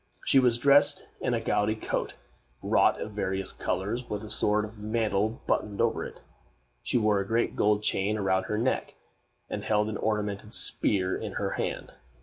She was dressed in a gaudy coat, wrought of various colors, with a sort of mantle buttoned over it. She wore a great gold chain about her neck, and held an ornamented spear in her hand.